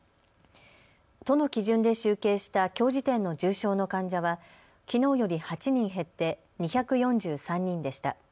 都の基準で集計したきょう時点の重症の患者はきのうより８人減って２４３人でした。